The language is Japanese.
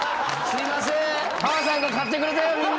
すいません。